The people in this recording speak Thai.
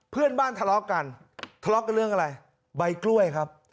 เพื่อนบ้านทะเลาะกันทะเลาะกันเรื่องอะไรใบกล้วยครับ